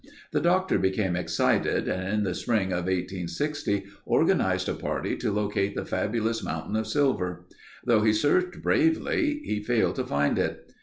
The doctor became excited and in the spring of 1860 organized a party to locate the fabulous mountain of silver. Though he searched bravely he failed to find it.